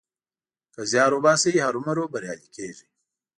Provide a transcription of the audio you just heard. که زيار وباسې؛ هرو مرو بريالی کېږې.